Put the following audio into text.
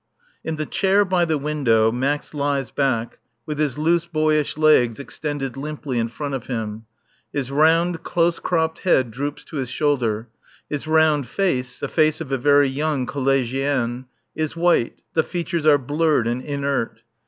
_ In the chair by the window Max lies back with his loose boyish legs extended limply in front of him; his round, close cropped head droops to his shoulder, his round face (the face of a very young collégien) is white, the features are blurred and inert.